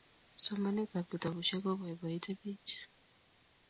somanetab kitabushek kopoipoite pich